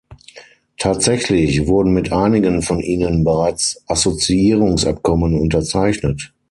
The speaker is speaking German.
Tatsächlich wurden mit einigen von ihnen bereits Assoziierungsabkommen unterzeichnet.